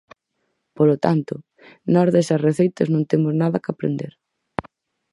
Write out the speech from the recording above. Polo tanto, nós desas receitas non temos nada que aprender.